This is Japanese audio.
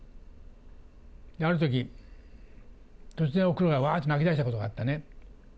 あるとき、突然、おふくろが、わーっと泣きだしたことがあってね。